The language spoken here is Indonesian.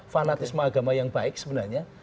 fanatisme agama yang baik sebenarnya